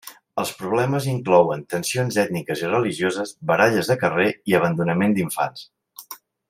Els problemes inclouen tensions ètniques i religioses, baralles de carrer i abandonament d'infants.